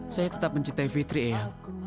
saya tetap mencintai fitri eyang